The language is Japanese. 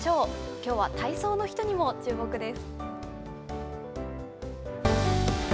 きょうは体操の人にも注目です。